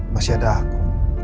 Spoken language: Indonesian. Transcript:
masih ada aku